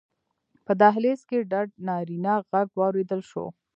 په دهلېز کې ډډ نارينه غږ واورېدل شو: